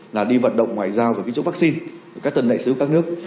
là đi vận động ngoại giao về cái chỗ vaccine của các tân đại sứ các nước